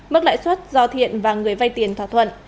mức lãi suất do thiện và người vay tiền thỏa thuận